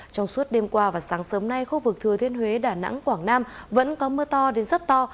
trong suốt đêm qua và sáng sớm nay khu vực thừa thiên huế đà nẵng quảng nam vẫn có mưa to đến rất to